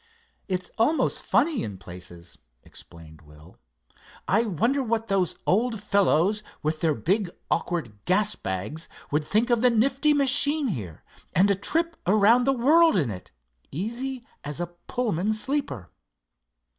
"It's almost funny in places," explained Will. "I wonder what those old fellows with their big awkward gas bags would think of the nifty machine here, and a trip around the world in it, easy as a Pullman sleeper."